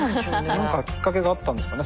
何かきっかけがあったんですかね？